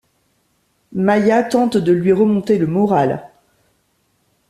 Maya tente de lui remonter le moral.